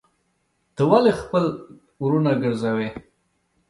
ته ولي خپل وروڼه ګرځوې.